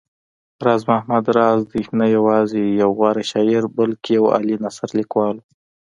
راز محمد راز دی نه يوازې يو غوره شاعر بلکې يو عالي نثرليکوال و